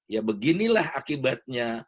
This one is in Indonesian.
ya beginilah akibatnya